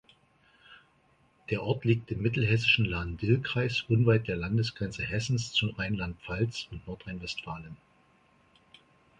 Der Ort liegt im mittelhessischen Lahn-Dill-Kreis unweit der Landesgrenze Hessens zu Rheinland-Pfalz und Nordrhein-Westfalen.